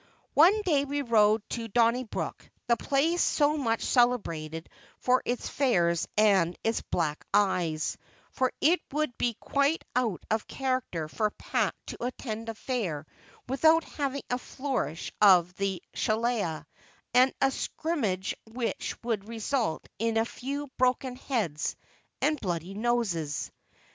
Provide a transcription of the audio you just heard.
One day we rode to Donnybrook, the place so much celebrated for its fairs and its black eyes; for it would be quite out of character for Pat to attend a fair without having a flourish of the shillelah, and a scrimmage which would result in a few broken heads and bloody noses.